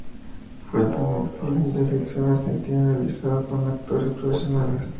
Fue el primer film de ficción argentino realizado con actores profesionales.